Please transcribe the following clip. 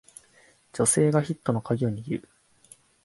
女性がヒットのカギを握る